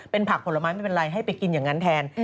เป็นผักผลไม้ไม่เป็นไรให้ไปกินอย่างนั้นแทน